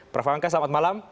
prof ham kahak selamat malam